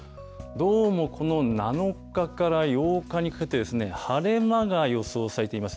どうもこの７日から８日にかけて、晴れ間が予想されています。